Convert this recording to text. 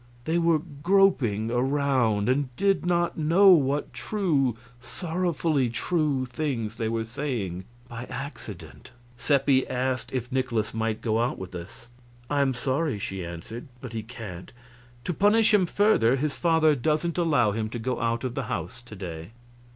They were "groping around," and did not know what true, sorrowfully true things they were saying by accident. Seppi asked if Nikolaus might go out with us. "I am sorry," she answered, "but he can't. To punish him further, his father doesn't allow him to go out of the house to day."